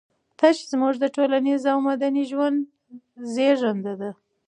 تش زموږ د ټولنيز او مدني ژوند زېږنده دي.